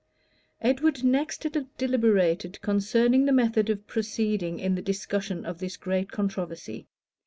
Edward next deliberated concerning the method of proceeding in the discussion of this great controversy.